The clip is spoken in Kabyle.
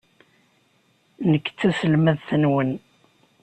Nekk d taselmadt-nwen.